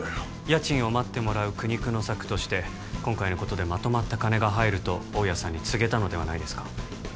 家賃を待ってもらう苦肉の策として今回のことでまとまった金が入ると大家さんに告げたのではないですか？